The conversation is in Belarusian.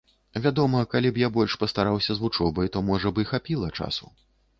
Вядома, калі б я больш пастараўся з вучобай, то можа б і хапіла часу.